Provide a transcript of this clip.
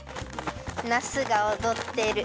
なすがおどってる。